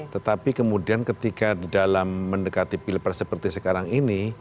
tetapi kemudian ketika dalam mendekati pilpres seperti sekarang ini